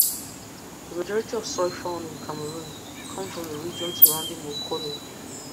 The majority of soy found in Cameroon comes from the region surrounding Mokolo.